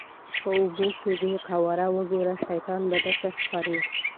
په اوبو کې دې قواره وګوره شیطان به درته ښکاري.